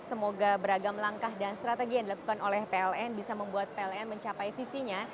semoga beragam langkah dan strategi yang dilakukan oleh pln bisa membuat pln mencapai visinya